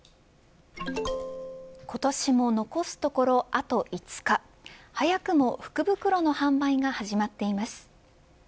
今年も残すところあと５日早くも福袋の販売が始まっています。